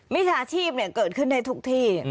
มิถาชีพเกิดขึ้นในทุกที่